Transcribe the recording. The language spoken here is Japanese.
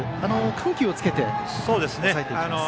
緩急をつけて抑えていきます。